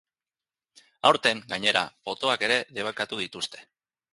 Aurten, gainera, potoak ere debekatu dituzte.